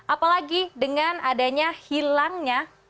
apalagi dengan adanya hilangnya